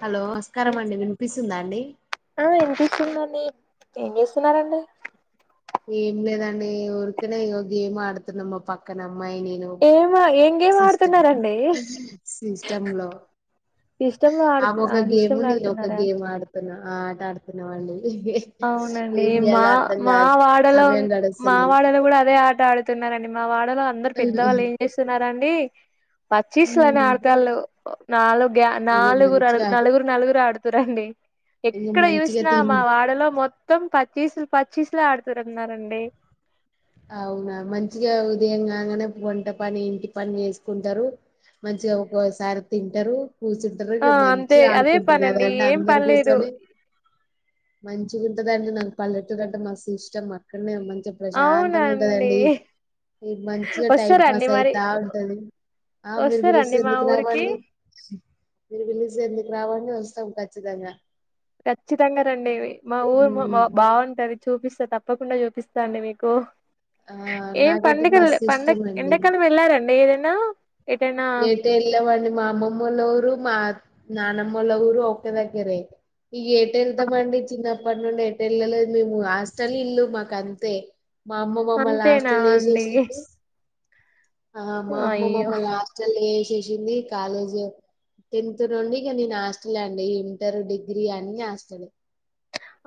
Hello నమస్కారం అండి వినిపిస్తుందా అండి ఆ వినిపిస్తుంది అండి ఏం చేస్తున్నారండి ఏం లేదండి ఊరికనే గేమ్ ఆడుతున్నాం మా పక్కన అమ్మాయి నేను గేమ ఏం గేమ్ సిస్టమ్ ఆడుతున్నారండి సిస్టమ్ లో సిస్టమ్ లో ఆడు ఆమె ఒక గేమ్ సిస్టమ్ లో నేను ఒక ఆడుతున్నారా గేమ్ ఆడుత ఆట అడుతున్నామండి అవునండి మా మా వాడలో సమయం మా గడుస్తలేదు వాడలో కూడా అదే ఆట ఆడుత తున్నారండి మా వాడలో అందరు పెద్దవాళ్ళు ఏం చేస్తున్నరండీ పచ్చీస్లని ఆడతళ్ళు నాలుగు గ ఇగ నాలుగురు మంచిగా నలుగురు నలుగురు ఆడుతురండి ఇగ ఎక్కడ మంచిగా చూసినా మా తిన్ వాడలో మొత్తం పచ్చీసులు పచ్చీసులు ఆడుతారన్నారండి అవునా మంచిగా ఉదయం కాగానే వంట పని ఇంటి పని చేసుకుంటరు మంచిగా ఒక్కసారి తింటరు కూర్చుంట ఆ అ అంతే మంచిగా అదే ఆడుకుంటారు కదా పనండి అండి ఏం అందరు పనిలేదు కూసోని మంచిగ ఉంటదండి నాకు పల్లెటూరంటే మస్తు ఇస్టమ్ అక్కడనే మంచిగా ప్రశాంత అండి మీకు మంచిగా టైం పాస్ అయితా ఉంటది ఆ మీరు వస్తారండి పిలిస్తే మా ఎందుకు ఊరికి రామండి మీరు పిలిస్తె ఎందుకు రామండి వస్తం ఖచ్చితంగా ఖచ్చితంగా రండి మా ఊరు మా ఉమ్ బాగుంటది చూపిస్తా తప్పకుండా చూపిస్తా అండి మీకు ఆ ఏం నాకైతే పండగ మస్తు పండగ ఇష్టం అండి ఎండకాలం వెళ్ళారండి ఏదైనా ఎటైనా అ వెళ్ళమండి మా అమ్మమ్మల ఊరు మా నానమ్మల ఊరు ఒక దగ్గరే ఇక ఏటెళ్తాం అండి చిన్నప్పటి నుండి ఏటెళ్ళలేదు మేము హాస్టల్ ఇల్లు మాకు అంతే మా అమ్మ మమ్మల్ని అంతేనా హాస్టళ్ల అండి వేశేసింది ఆ మా అమ్మ అయ్యో మమ్మల్ని హాస్టల్ల వేసేసింది కాలేజ్ టెన్త్ నుండి ఇక నేను హాస్టలె అండి ఇంటర్ డిగ్రీ అన్నీ హాస్టలే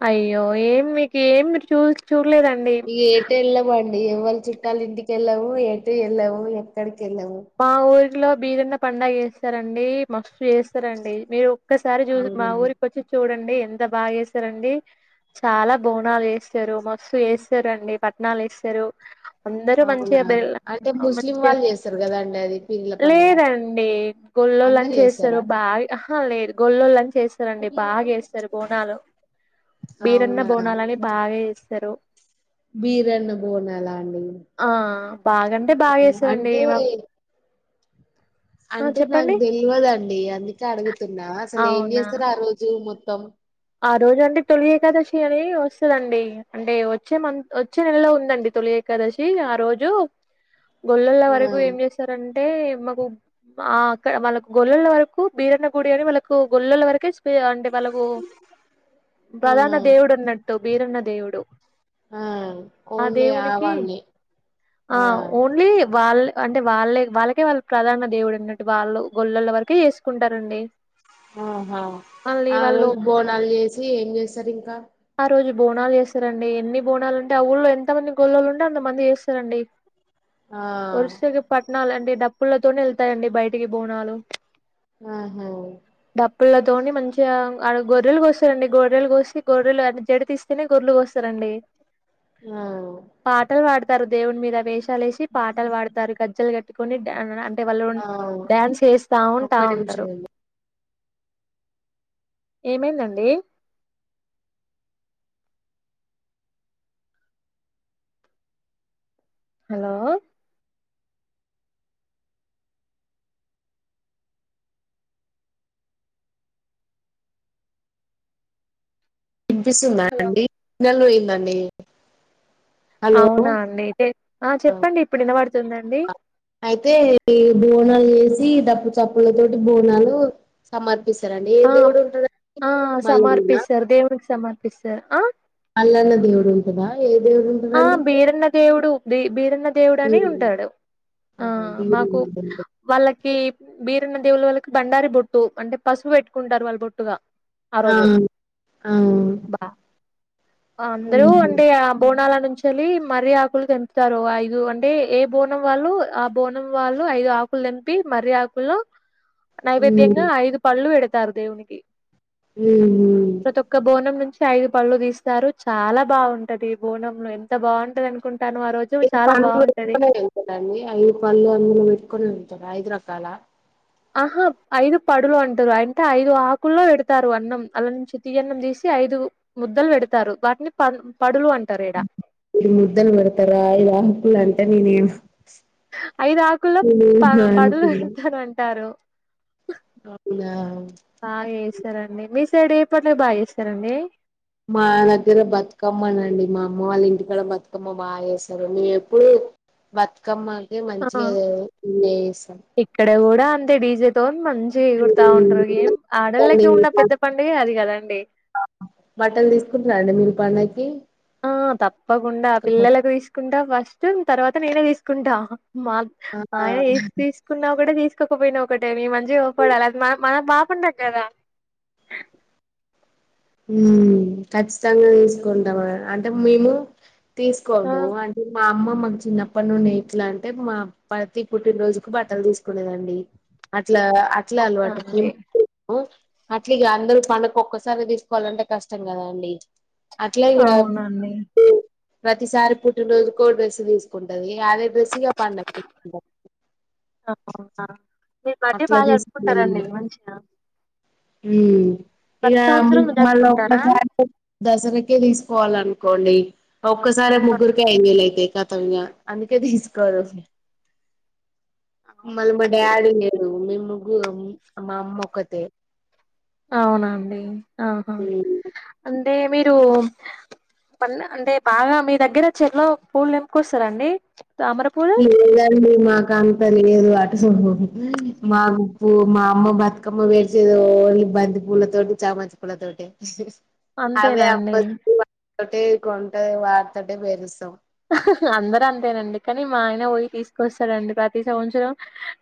అయ్యో ఏం మీకు ఏమి మీరు చూడలేదండి ఇక ఎటు వెళ్ళమండి ఎవళ చుట్టాల ఇంటికెళ్ళము ఎటు వెళ్ళము ఎక్కడికి వెళ్ళము మా ఊరిలో బీరన్న పండుగ చేస్తరండి మస్తు చేస్తరండి మీరు ఒక్కసారి చూ మా అవునా ఊరిక వచ్చి చూడండి ఎంత బాగా చేస్తారండి చాలా బోనాలు చేస్తారు మస్తు చేస్తారండి పట్టనాలు వేస్తారు అందరు మంచిగా మంచిగా సర్గద అండి అది పీర్ల పండుగ లేదండి గొల్లోళ్ళని అందరు చేస్తారు చేసారా బాగా ఆహా లేదు గొల్ల్లోళ్ళని చేస్తారు స్తారండి బాగా చేస్తారు బోనాలు బీరన్న అవునా బోనాలని బాగా చేస్తారు బీరన్న బోనలా అండి ఆ బాగాంటే బాగా చేస్తారండి అంటే అంటే నాకు తేల్వదండి అందుకే అడుగుతున్నా అసలు ఏం అవునా చేస్తారు ఆ రోజు మొత్తం ఆ రోజు అంటే తొలి ఏకాదశి అని వస్తదండి అంటే వచ్చే మ వచ్చే నెలలో ఉందండి తొలి ఏకాదశి ఆ రోజు గొల్లల ఆ వరకు ఏం చేస్తారంటే మాకు ఆ అక్కడ వాళ్ళకు గొల్లల వరకు బీరన్న గుడి అని వాళ్ళకు గొల్లుల వరకే స్ అంటే వాళ్ళకు ఆ పలాన దేవుడు ఉన్నట్టు బీరన్న దేవుడు ఆ ఆ ఓన్లీ దేవునికి ఆవాల్ని ఆ ఓన్లీ వాళ్ళే అంటే వాళ్ళే వాళ్ళకే వాళ్ళ ప్రధాన దేవుడు అన్నట్టు వాళ్ళు గొల్లల వరకే చేసుకుంటారండి ఆహా మళ్ళీ ఆ వాళ్ళు రోజు బోనాలు చేసి ఏం చేస్తారు ఇంకా ఆ రోజు బోనాలు చేస్తారండి ఎన్ని బోనాలు ఉంటే ఆ ఊళ్ళలో ఎంతమంది గొల్లలు ఉంటే అంతమంది చేస్తారండి ఆ వరుసకి పట్టణాల అంటే డప్పులతోనే వెళ్తాయండి బయటికి బోనాలు ఆహా డప్పులతోని మంచిగా గొర్రెలు కోస్తారండి గొర్రెలు కోసి గొర్రెలు అ జడి తీస్తేనే గొర్రెలు కోస్తారండి ఆ పాటలు పాడతారు దేవుని మీద వేషాలేసి పాటలు పాడతారు గజ్జలు కట్టుకొని అంటే వాళ్ళు ఆ డ్యాన్స్ చేస్తా ఒక్క ఉంటా నిమిషం ఉంటారు అండి ఏమైందండి హలో వినిపిస్తుందా అండి సిగ్నల్ పోయిందండి హలో అవునా అండి అయితే ఆ చెప్పండి ఇప్పుడు వినపడుతుందండి అయితే ఈ బోనాలు చేసి డప్పు చప్పుల తోటి బోనాలు సమర్పిస్తారండి ఏ ఆ దేవుడు ఉంటాడండి మళ్ళీ నిన్న దేవుడికి సమ పిస్తా ఆ అల్లన్న దేవుడు ఉంటదా ఏ దేవుడుంట ఆ బీరన్న దేవుడు బీ బీరన్న దేవుడు అనే బీర్లు ఉంటాడు ఆ ఆహా బ మాకు వాళ్ళకి బీరన్న దేవులు వాళ్ళకి బండారి బొట్టు అంటే పసుపు పెట్టుకుంటారు వాళ్ళ బొట్టుగా ఆ రోజు ఆ ఉమ్ బా అందరూ అంటే ఆ బోనాలని నుంచి వెళ్ళి మరిఆకులు తెంపుతారు ఐదు అంటే ఏ బోనం వాళ్ళు ఆ బోనం వాళ్ళు ఐదు ఆకు ఆకులు తెంపి మర్రి ఆకుల్లో ఉమ్ నైవేద్యంగా ఐదు పళ్లు పెడతారు దేవునికి ఉమ్ ప్రతి ఒక్క బోనం నుంచి ఐదు పళ్ళు తీస్తారు చాలా బాగుంటది బోనం ఎంత బాగుంటది అనుకుంటానావ్ ఆ రోజు చాలా బాగుంటది డి ఐదు పళ్ళు అందులో పెట్టుకుని ఉంటారు ఐదు రకాల ఆహా ఐదు పడులు అంటారు అంటే ఐదు ఆకుల్లో పెడతారు అన్నం అళ్ల నుంచి తీయ్యన్నం తీసి ఐదు ముద్దలు పెడతారు వాటిని ప పడులు అంటారు ఇడ ఇరు ముద్దులు పెడతారా ఇలా ఆకులు అంటే నేను ఐదు ఆకుల్లో ప పడులు అనుకున్నా పెడతారంటారు అవునా బాగా చేస్తారండి మీ సైడ్ ఏ పట్లే బాగా చేస్తారండి మా దగ్గర బతుకమ్మనండి మా అమ్మ వాళ్ళ ఇంటి కడా బతుకమ్మ బాగా చేస్తారు మేము ఎప్పుడు బతుకమ్మకి ఆ మంచిగా ఎంజాయ్ చేస్తాం ఇక్కడ కూడా అంతే డీజే తో మంచి చేగుడతా ఉంటారు గేం ఆడోళ్ళకి మీరు ఉన్న పెద్ద పండుగ అది కదండి బట్టలు తీసుకుంటున్నారండి మీరు పండగకి ఆ తప్పకుండా పిల్లలకు తీసుకుంటా ఫస్ట్ తర్వాత నేనే తీసుకుంటా మా మా ఆ ఆయనకు ఎస్ తీసు కున్నా ఒకటే తీసుకోకపోయినా ఒకటే మీ మంచిగా ఆగుపడాలే అది మన పాప ఉండడు కదా ఉమ్ ఖచ్చితంగా తీసుకుంటాం అంటే మేము ఆ తీసుకోము అంటే మా అమ్మ మాకు చిన్నప్పటి నుండి ఎట్లా అంటే మా ప్రతి పుట్టినరోజుకు బట్టలు తీసుకునేదండి అట్లా అట్లా అవునా అలవాటు అండి మేము అట్లా ఇక అందరు పండగ ఒక్కసారి కోవాలంటే కష్టం కదండి అట్లా ఇకా అవునండి ప్రతిసారి పుట్టినరోజుకో డ్రస్ తీసుకుంటది ఇక అదే డ్రెస్ గా పండగకి అవునా మీరు ఈ మధ్య బాగా జరుపుకుంటారండి మంచిగా ఉమ్ ఇక ప్రతి సంవత్సరం మళ్ళ జరుపుకుంటారా ఒకసారి దసరాకే తీసుకోవాలి అనుకోండి ఒక్కసారి ముగ్గురికే ఐదు వేలు అయితాయి క తన్య అందుకే తీసుకోవ మళ్ళ మా అవునండి డాడీ లేరు మేము ముగ్గరం మా అమ్మ వకతే అవునా అండి ఆహా హ్మ్. అంటే మీరు అంటే బాగా మీ దగ్గర చెరువులో పూలు ఎం పుస్తాదండి తామర పూలు లేదు అండి మా కాంత తెలిదు అటు మా గుప్పు మా అమ్మ బతుకమ్మ వేడిచేది ఓన్లీ బంతి పూల తోటి చామాంతి పూల తోటే అవే అబ్బ అంతేనండి కొంట వాడుతటే బెరుసాం అందరు అంతేనండి కానీ మా ఆయన పోయి తీసుకొస్తారండి ప్రతి సంవత్సరం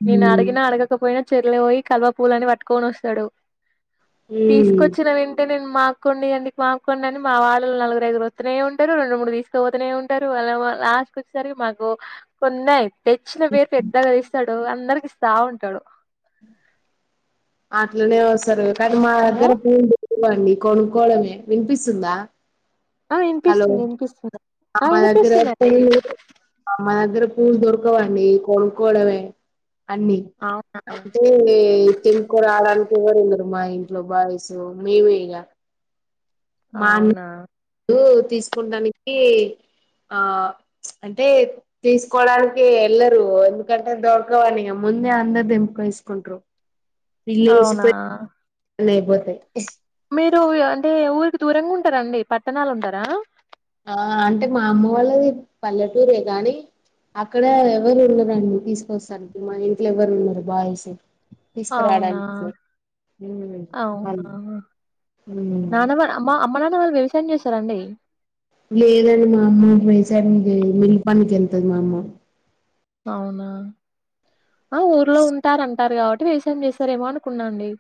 నేను హ్మ్ అడిగినా అడగకపోయినా చెరువుల పోయి కల్వ పూలని పట్టుకొని వస్తాడు హ్మ్. తీసుకొచ్చిన వెం అంటే నేను మాకు కొన్ని ఇయండి మాకు కొన్ని అని మా వాళ్ళలు నలుగురు ఐదుగురు వస్తనే ఉంటారు రెండు మూడు తీసుకపోతనే ఉంటారు తారు వాళ్ళ లాస్ట్ వచ్చేసరికి మాకు కొన్నా తెచ్చిన పేరు పెద్దగా తీస్తాడు ఒ అందరికిస్తా ఉంటాడు అట్లానే వస్తారు కానీ మా హలో దెగ్గర పూడు ఇవ్వండి కొనుక్కోవడమే వినిపిస్తుందా ఆ హలో వినిపిస్తుంది వినిపిస్తుంది ఆ మా దెగ్గర వినిపిస్తుందండి పూలు మా దెగ్గర పూలు దొరకవండి కోనుకోవడవే అన్ని అవునా అంటే తేప్ కొరాడానికి ఎవరు ఉండరు మా ఇంట్లో బాయ్స్ మేమే ఇగ మా అన్న అవునా కు తీసుకుటానికి ఆ మ్చ్ అంటే తీసుకోడానికి ఎల్లరు ఎందుకంటే దొరకవాని ఇగ ముందే అందరు దెంపేసుకుంట్రారు అవునా లే పోతే మీరు అంటే ఊరికి దూరంగుంటారా అండి పట్టణాలూటారా ఆ అంటే మా అమ్మ వాళ్లది పల్లెటూరే గానీ అక్కడ ఎవరు ఉన్నారండి తీసుకొస్తానికి మా ఇంట్లో ఎవరు ఉండరు బాయ్స్ అవునా! తీస్కరడానికి ఉమ్మ్ అవునా! మన్ ఉమ్మ్ నానమ్మ అమ్మ అమ్మ నాన్న వాళ్లు వ్యవసాయం జేస్తారండి లేదండి మా అమ్మ వ్యవసాయం జేయదు మిల్ పని కేళ్తుది మా అమ్మ అవునా ఆ ఊర్లో ఉంటారంటారు గాబట్టి వ్యవసాయం చేస్తారేమో అనుకున్నాండి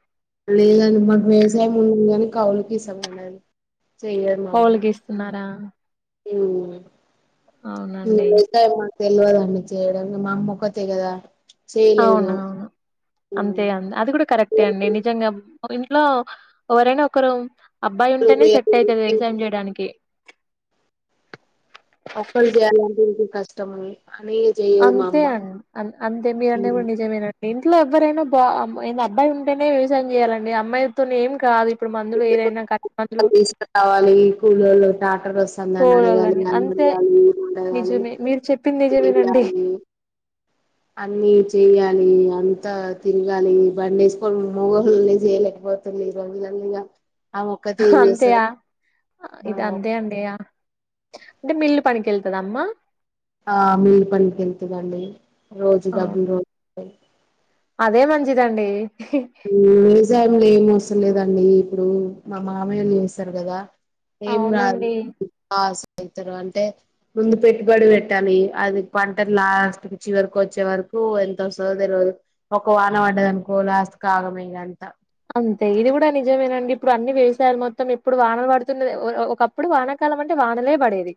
లేదండి మాకు వ్యవసాయం ఉన్నది గానీ కౌలుకిసాం మండి అది అంతా కౌలుకిస్తున్నారా ఉమ్మ్ అవునండి. [unintelligible] తెల్వదండి చేయడం ఇగా మా అమ్మ వోకతే గదా చేయదు అవునవును. అంతే అండి. అది గూడ కరెక్టే అండి నిజంగా ఇంట్లో వోవరైనా ఒకరు అబ్బాయి ఉంటేనే సెట్ అయితది వ్యవసాయం జేయడానికి ఒక్కలు జేయాలంటే ఇగా కష్టం అనీ అంతే అండి అం అంతే ఉ మీరన్నది గూడ నిజమేడి ఇంట్లో ఎవ్వరైనా బా అబ్బాయి ఉంటేనే వ్యవసాయం జేయాలండి అమ్మాయితో ఏం కాదు ఇప్పుడు మందులు ఏదైనా కట్ మందులు తీస్ కారాలి కూలోలు టాటర్ వస్తే సందాన్ని అడగాలి పోవాలని అన్న అంతే అడగాలి నీళ్లు ఆడగాలి నిజమే మీరు చెప్పింది నిజమేనండి. తీయాల అన్ని చేయాలి అంతా తిరగాలి బండి ఏసుకొని మూగోలే జేయలేకపోత్ పెళ్లి ఈ రోజుల్లలా ఆమే ఒకతె ఏం జేస్తాది అంతేయా ఇది అంతే అండియా అంటే మిల్లు పనికేళ్తుదా అమ్మా ఆ మిల్లు పనికి ఏళ్తుందండి రోజూ ఆ! డబ్బులు రోజూ అదే మంచిదండి ఇహి వ్యవసాయంలో ఏం వస్తా లేదండి ఇప్పుడు మా మామయ్యళు జేస్తరు గదా ఏం రాదు అవునండి. ఆ సైతారు అంటే ముందు పెట్టుబడి బెట్టాలి. అది పంట లాస్ట్కి చివరికి వచ్చే వరకు ఎంత వసో వస్తాదో తేలవదు ఒక వానం పడ్డదనుకో లాస్ట్కి ఆగమె ఇగా అంతా అంతే ఇది గూడ నిజమేనండి ఇప్పుడు అన్ని వేసాయారు మొత్తం ఇప్పుడు వానలు పడుతున్న ఒకప్పుడు అప్పుడు వానకాలం అంటే వానలే బడేది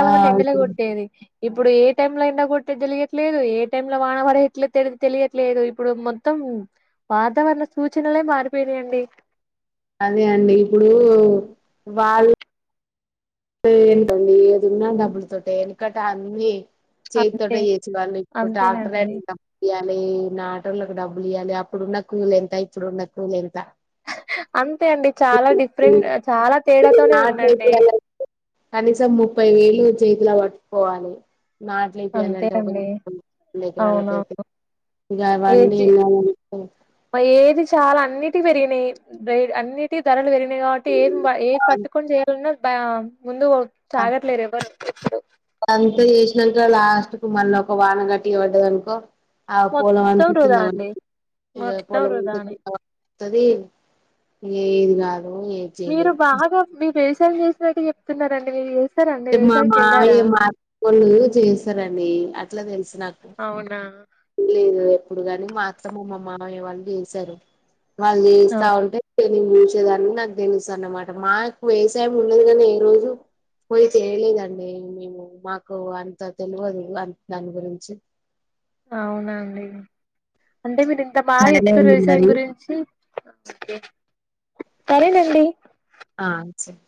ఆ అంటే ఎండలే కొట్టేది ఇప్పుడు ఏ టైమ్ లో ఎండ కొట్టతే తెలియట్లేదు ఏ టై లో వాన బడేది తెలియట్లేదు ఇప్పుడు మొత్ మొత్తం వాతావరణ సూచనలే మారిపోనాయండి అదే అండి ఇప్పుడూ వాళ్ పేన్ టుందీ ఏదున్నా డబ్బుల్ తోటే ఎందుకటాన్ని చెయ్ అంతే తోటే చేచ్ వాళ్లిప్పుడ్ డాక్టర్ అంతేనండి. ఐన్గ ఇయ్యాలీ నాటోళ్ళకు డబ్బుల్ ఇయ్యాలి అప్పుడున్న కూూలు ఎంత ఇప్పుడున్న కూూలు ఎంత అంతే అండి చాలా డిఫ్రెంట్ చాలా తేడాతోనే ఉందండి నాట్లేపియాల కనీసం ముప్పై వేలూ చేతిలో బట్కోవాలి అంతే నాట్లేపీయాలంటే ఒక అండి దకరాలక అయితే అవునవును ఇలా ఇవన్నీ ఏజి ఎల్లాలంటే ఏది చాలా అన్నిటి పెరిగినయ్ బ్రేయిడ్ అన్నిటి ధరల్ బెరిగి తయ్ గాబట్టి ఏం ఏ పట్టుకొన్ చేయాలన్నా బా ముందు సాగట్లేర్ ఎవ్వరు ఇప్పుడు అంత జేసినాంక లాస్ట్ కు మళ్ళ ఒక వాన గట్టిగ పడ్డదనుకో ఆ పోలవంత మొత్తం వృధా కిందపడి అండి పోతది ఇగ మొత్తం పొలం ఉంటే వృధానే కిందా త్తదీ ఏది రాదూ ఏ మీరు బాగా మీ వేసాల్ జేసినట్టు జెప్తున్నారండి మీర్ ఏస్ టే మా మాయ్య మాఅత్తమ్మోల్లూ చేసరండీ అట్ల దెలుసు నాక్ ఔనా లేదు ఎప్పుడు గాని మాఅత్తమ్మ మామమయ్య వాళ్ళు జేశారు వాళ్ జేస్తా ఉంటే టే నేన్ జూసేదాన్ని నాక్ దెలుసన్నమాట మాక్ వ్యయ్ సాయం ఉన్నదు గానీ ఏ రోజు పొయ్ తేయలేదండీ మేము మాకూ అంత తెల్వదు దాని గురించి ఔనా అండి అంటే మీరింత బా సరేలే జెప్తుర్రు అండి వ్యవసాయం మరి గురించి సరే నండీ ఆఁ సర్